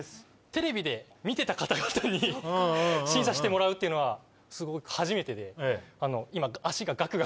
テレビで見てた方々に審査してもらうっていうのは初めてで今。